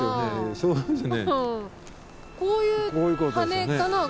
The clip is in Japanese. そうですよね。